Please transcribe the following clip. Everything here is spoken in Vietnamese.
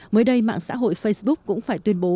mới đây mạng xã hội facebook cũng phải tuyên bố